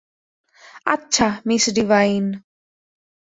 আচ্ছা, miss divine.